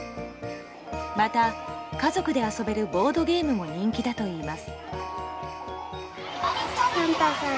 また、家族で遊べるボードゲームも人気だといいます。